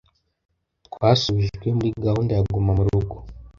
twasubijwe muri gahunda ya Guma mu rugo